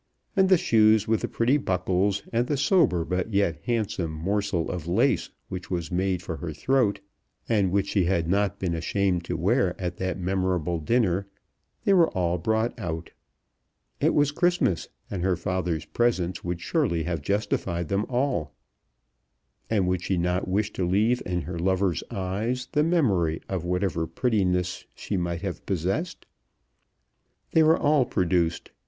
And the shoes with the pretty buckles, and the sober but yet handsome morsel of lace which was made for her throat, and which she had not been ashamed to wear at that memorable dinner, they were all brought out. It was Christmas, and her father's presence would surely have justified them all! And would she not wish to leave in her lover's eyes the memory of whatever prettiness she might have possessed? They were all produced.